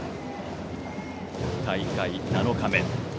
大会７日目。